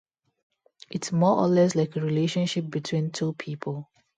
It's more or less like a relationship between two people.